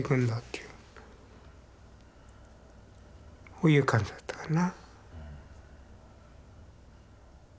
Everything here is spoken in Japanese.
そういう感じだったからな。